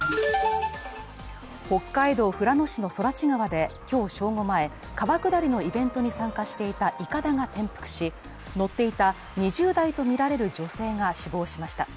北海道富良野市の空知川で今日正午前、川下りのイベントに参加していたいかだが転覆し、乗っていた２０代とみられる女性が死亡しました。